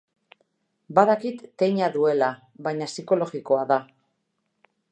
Badakit teina duela, baina psikologikoa da.